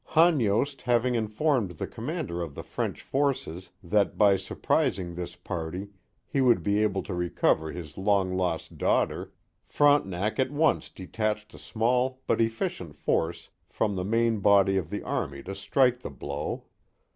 Hanyost having informed the com mander of the French forces that by surprising this party he would be able to recover his long lost daughter, Frontenac at once detached a small but efficient force from the main body of the army to strike the blow.